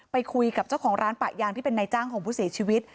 ไปคุยกับเจ้าของร้านปะยางที่เป็นนายจ้างของผู้เสียชีวิต